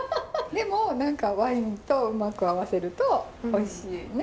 でも何かワインとうまく合わせるとおいしいね。